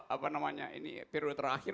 apa namanya ini periode terakhir